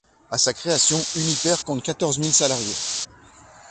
À sa création, Uniper compte quatorze mille salariés.